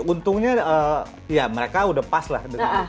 untungnya ya mereka udah pas lah